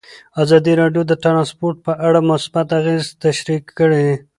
ازادي راډیو د ترانسپورټ په اړه مثبت اغېزې تشریح کړي.